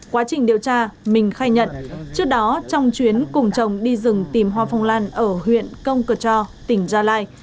quá trình điều tra mình khai nhận trước đó trong chuyến cùng chồng đi rừng tìm hoa phong lan ở huyện công cờ cho tỉnh gia lai